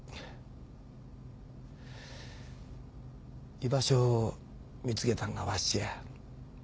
居場所を見つけたんがわしや。